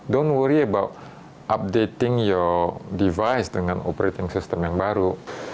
down worry about updating your device dengan operating system yang baru